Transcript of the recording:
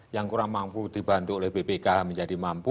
yang kurang mampu dibantu oleh bpk menjadi mampu